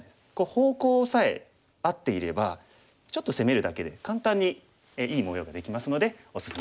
方向さえ合っていればちょっと攻めるだけで簡単にいい模様ができますのでおすすめです。